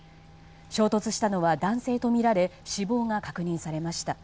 衝突したのは男性とみられ死亡が確認されました。